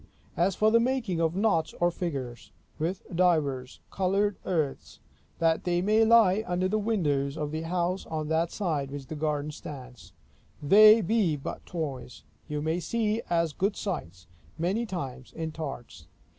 As for the making of knots or figures, with divers colored earths, that they may lie under the windows of the house on that side which the garden stands, they be but toys; you may see as good sights, many times, in tarts.